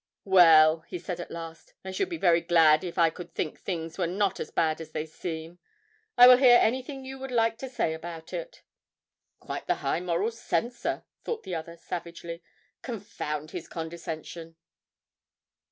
'Well,' he said at last, 'I should be very glad if I could think things were not as bad as they seem. I will hear anything you would like to say about it.' 'Quite the high moral censor,' thought the other savagely. 'Confound his condescension!'